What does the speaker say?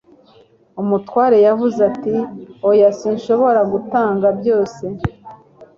Umutware yaravuze ati: Oya sinshobora gutanga byose.